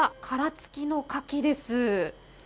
殻つきのかきです。